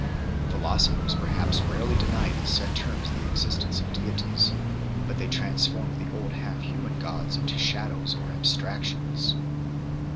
Philosophers perhaps rarely denied in set terms the existence of deities, but they transformed the old half human gods into shadows or abstractions.